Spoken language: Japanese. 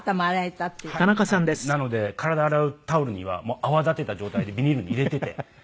なので体洗うタオルにはもう泡立てた状態でビニールに入れてて。